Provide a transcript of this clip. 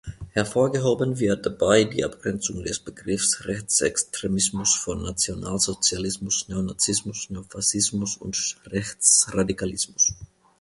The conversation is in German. Hervorgehoben wird dabei die Abgrenzung des Begriffs Rechtsextremismus von Nationalsozialismus, Neonazismus, Neofaschismus und Rechtsradikalismus.